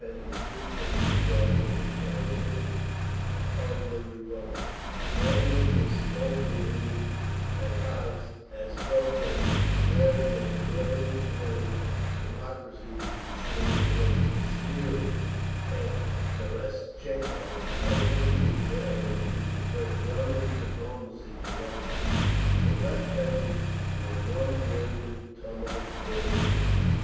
II, Sect. 12) in the Council of the Republic, branding the Skobeliev nakaz as pro German, declaring that the "revolutionary democracy" was destroying Russia, sneering at Terestchenko, and openly declaring that he preferred German diplomacy to Russian…. The Left benches were one roaring tumult all through….